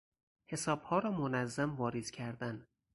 حسابها را منظم واریز کردن